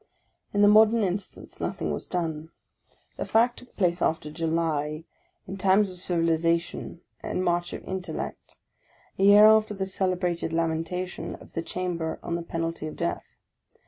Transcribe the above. In the modern instance, nothing was done. The fact took place after July, in times of civilization and march of intel lect, a year after the celebrated lamentation of the Chamber on the penalty of death.